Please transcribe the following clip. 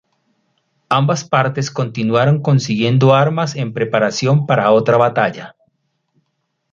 Ambas partes continuaron consiguiendo armas en preparación para otra batalla.